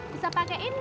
bisa pakein gak